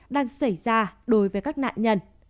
đang xảy ra đối với các nạn nhân